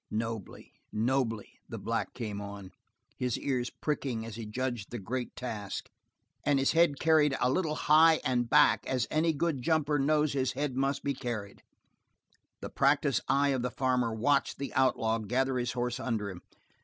Nobly, nobly the black came on, his ears pricking as he judged the great task and his head carried a little high and back as any good jumper knows his head must be carried. The practiced eye of the farmer watched the outlaw gather his horse under him.